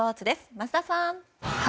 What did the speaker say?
桝田さん。